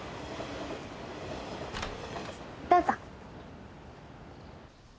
どうぞ。